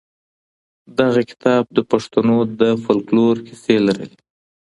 دغه کتاب د پښتنو د فولکلور کیسې لرلې.